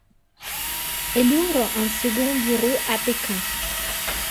Elle ouvre un second bureau à Pékin.